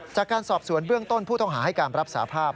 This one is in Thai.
จากการสอบสวนเบื้องต้นผู้ต้องหาให้การรับสาภาพ